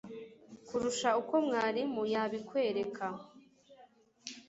kurusha uko mwarimu yabikwereka